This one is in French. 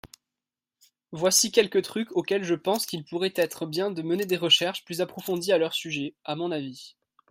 voici quelques trucs auxquels je pense qu'il pourrait être bien de mener des recherches plus approfondies à leur sujet, à mon avis.